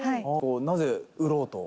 なぜ売ろうと？」